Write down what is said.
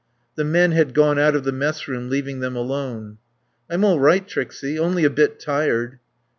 The men had gone out of the messroom, leaving them alone. "I'm all right, Trixie, only a bit tired."